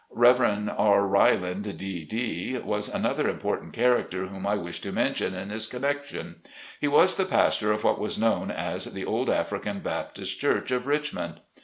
Rev. R. Riland, D. D., was another important character whom I wish to mention in this connection. He was the pastor of what was known as the Old African Baptist Church, of Richmond.